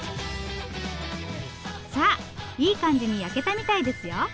さあいい感じに焼けたみたいですよ。